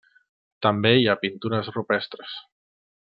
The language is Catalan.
També hi ha pintures rupestres.